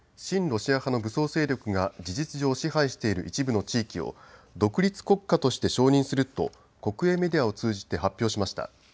ロシア派の武装勢力が事実上支配している一部の地域を独立国家として承認すると国営メディアを通じて発表しました。